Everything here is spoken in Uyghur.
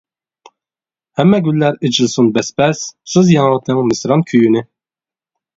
ھەممە گۈللەر ئېچىلسۇن بەس-بەس، سىز ياڭرىتىڭ مىسران كۈيىنى.